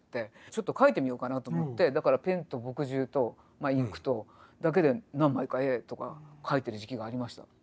ちょっと描いてみようかなと思ってだからペンと墨汁とまあインクとだけで何枚か絵とか描いてる時期がありました。